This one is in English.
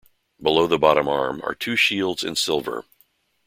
Below the bottom arm are two shields in silver.